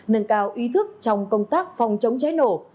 nâng cao ý thức trong công tác phòng chống cháy nổ